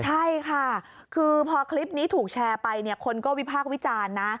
ใช่ค่ะคือพอคลิปนี้ถูกแชร์ไปเนี่ยคนก็วิพากษ์วิจารณ์นะ